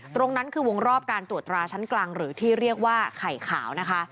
ตรงนั้นคือวงรอบการตรวจตราชั้นกลางหรือที่เรียกว่าไข่ขาวนะคะ